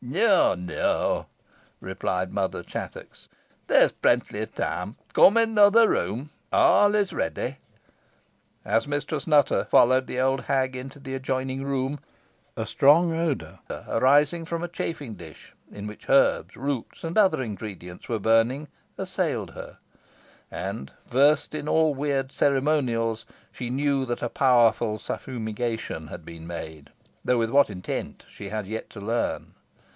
"No, no," replied Mother Chattox; "there is plenty of time. Come into the other room. All is ready." As Mistress Nutter followed the old hag into the adjoining room, a strong odour, arising from a chafing dish, in which herbs, roots, and other ingredients were burning, assailed her, and, versed in all weird ceremonials, she knew that a powerful suffumigation had been made, though with what intent she had yet to learn.